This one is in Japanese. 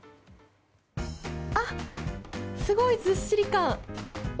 あ、すごいずっしり感！